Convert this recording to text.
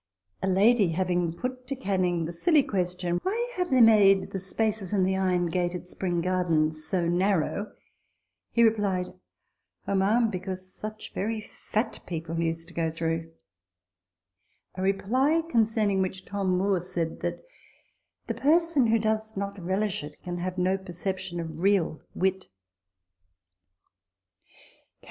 A lady having put to Canning the silly question, " Why have they made the spaces in the iron gate at Spring Gardens * so narrow ?" he replied, " Oh, ma'am, because such very fat people used to go through " (a reply concerning which Tom Moore said, that " the person who does not relish it can have no perception of real wit